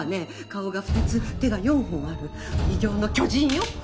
顔が２つ手が４本ある異形の巨人よ。